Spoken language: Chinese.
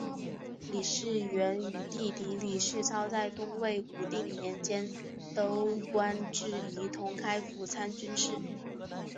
李士元与弟弟李士操在东魏武定年间都官至仪同开府参军事。